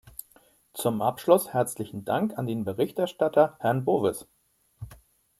Zum Abschluss herzlichen Dank an den Berichterstatter Herrn Bowis.